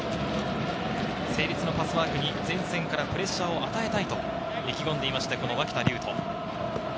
成立のパスワークに前線からプレッシャーを与えたいと意気込んでいました脇田竜翔。